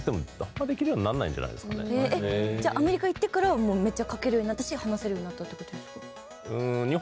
えっじゃあアメリカ行ってからめっちゃ書けるようになったし話せるようになったって事ですか？